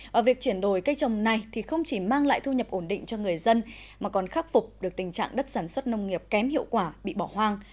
và việc chuyển đổi cây trồng này thì không chỉ mang lại thu nhập ổn định cho người dân mà còn khắc phục được tình trạng đất sản xuất nông nghiệp kém hiệu quả bị bỏ hoang